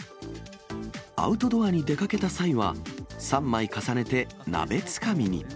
アウトドアに出かけた際は、３枚重ねて鍋つかみに。